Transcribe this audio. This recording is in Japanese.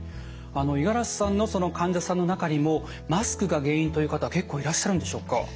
五十嵐さんの患者さんの中にもマスクが原因という方結構いらっしゃるんでしょうか？